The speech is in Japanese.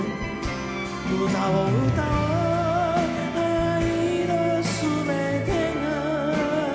「歌を歌おう愛の全てが」